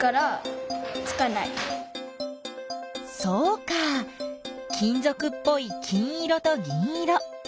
そうか金ぞくっぽい金色と銀色。